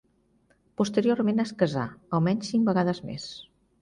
Posteriorment es casà almenys cinc vegades més.